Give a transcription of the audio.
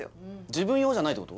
自分用じゃないってこと？